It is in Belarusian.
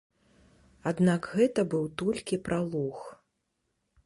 Аднак гэта быў толькі пралог.